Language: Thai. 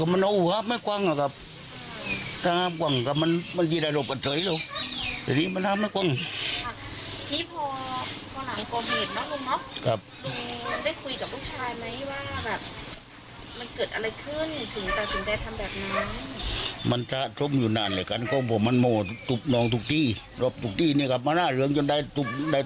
มาหน้าเหลืองจนได้ตุ๊กได้ตุ๊กโอ้เฮ้วว่าเจ๊นี่